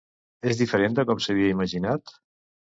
És diferent de com s'havia imaginat?